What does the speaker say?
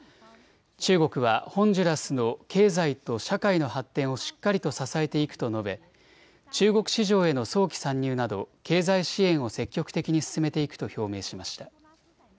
中国はホンジュラスの経済と社会の発展をしっかりと支えていくと述べ、中国市場への早期参入など経済支援を積極的に進めていくと表明しました。